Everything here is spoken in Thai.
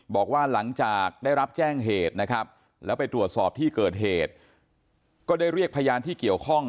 บอกว่าหลังจากได้รับแจ้งเหตุนะครับแล้วไปตรวจสอบที่เกิดเหตุก็ได้เรียกพยานที่เกี่ยวข้อง